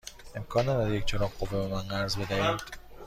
امکان دارد یک چراغ قوه به من قرض بدهید؟